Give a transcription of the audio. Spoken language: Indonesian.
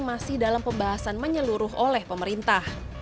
masih dalam pembahasan menyeluruh oleh pemerintah